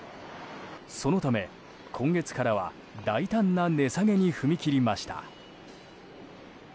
そのため、今月からは大胆な値下げに踏み切りました。